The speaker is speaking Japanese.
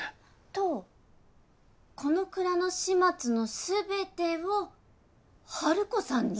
とこの蔵の始末の全てをハルコさんに？